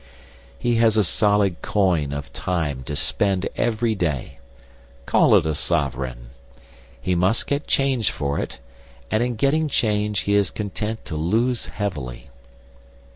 He has a solid coin of time to spend every day call it a sovereign. He must get change for it, and in getting change he is content to lose heavily.